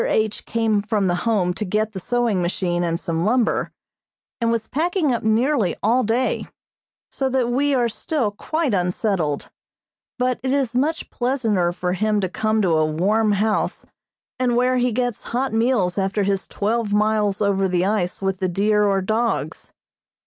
H. came from the Home to get the sewing machine and some lumber, and was packing up nearly all day, so that we are still quite unsettled, but it is much pleasanter for him to come to a warm house and where he gets hot meals after his twelve miles over the ice with the deer or dogs.